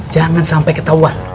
jangan sampai ketauan